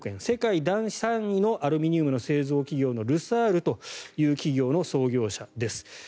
世界第３位のアルミニウムの製造企業のルサールという企業の創業者です。